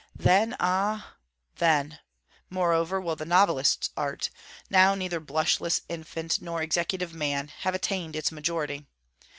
Then, ah! then, moreover, will the novelist's Art, now neither blushless infant nor executive man, have attained its majority.